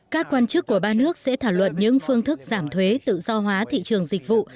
các quan chức của ba nước sẽ thảo luận những phương thức giảm thuế tự do hóa thị trường dịch vụ